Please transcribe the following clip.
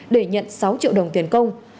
để nhận sáu triệu đồng tiền công